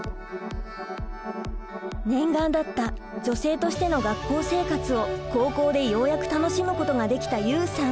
念願だった女性としての学校生活を高校でようやく楽しむことができたユウさん！